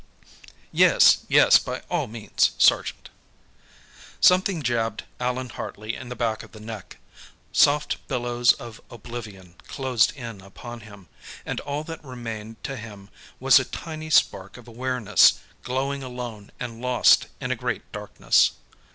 "Yes, yes; by all means, sergeant." Something jabbed Allan Hartley in the back of the neck. Soft billows of oblivion closed in upon him, and all that remained to him was a tiny spark of awareness, glowing alone and lost in a great darkness.